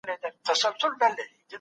هغه د غوزانو په خوړلو بوخت دی.